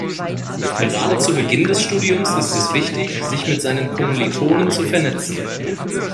Gerade zu Beginn des Studiums ist es wichtig, sich mit seinen Kommilitonen zu vernetzen.